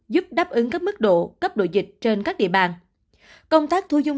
giúp đáp ứng các mức độ cấp độ dịch trên các địa bàn